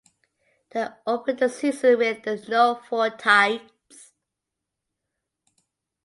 He opened the season with the Norfolk Tides.